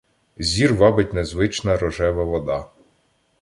Зір вабить незвична рожева вода